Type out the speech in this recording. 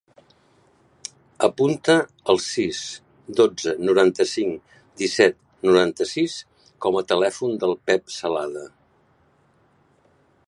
Apunta el sis, dotze, noranta-cinc, disset, noranta-sis com a telèfon del Pep Celada.